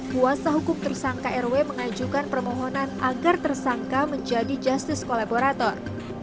kuasa hukum tersangka rw mengajukan permohonan agar tersangka menjadi justice kolaborator